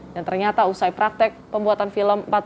dan ternyata usai praktik pembuatan film